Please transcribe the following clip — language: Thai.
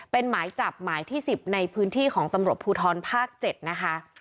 เป็นหมายจับหมายที่๑๐ในพื้นที่ของตำรวจภูทรภาค๗นะคะ